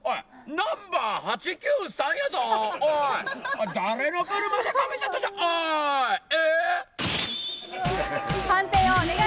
ナンバー８９３やぞ、おい！